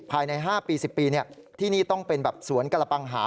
ภายใน๕ปี๑๐ปีที่นี่ต้องเป็นแบบสวนกระปังหา